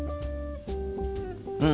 うん。